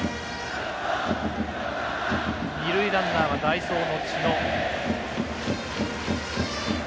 二塁ランナーは代走の知野。